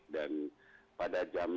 dan pada jam sembilan belas dua puluh